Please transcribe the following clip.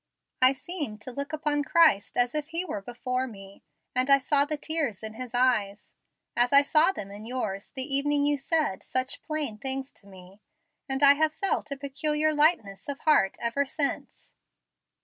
I seemed to look upon Christ as if He were before me, and I saw the tears in His eyes, as I saw them in yours the evening you said such plain things to me, and I have felt a peculiar lightness of heart ever since.